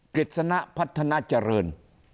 กริจสนะพัฒนาเจริญ